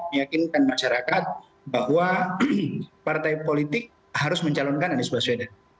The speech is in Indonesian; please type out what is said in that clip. meyakinkan masyarakat bahwa partai politik harus mencalonkan anies baswedan